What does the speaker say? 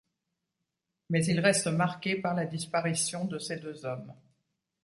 Mais il reste marqué par la disparition de ses deux hommes...